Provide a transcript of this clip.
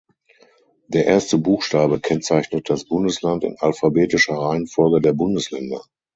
Der erste Buchstabe kennzeichnet das Bundesland in alphabetischer Reihenfolge der Bundesländer.